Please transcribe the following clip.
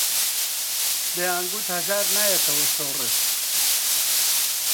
دەیانگوت هەژار نایەتەوە شۆڕش